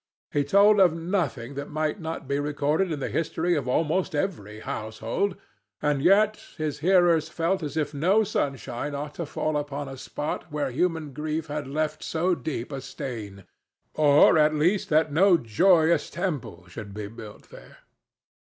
He told of nothing that might not be recorded in the history of almost every household, and yet his hearers felt as if no sunshine ought to fall upon a spot where human grief had left so deep a stain—or, at least, that no joyous temple should be built there.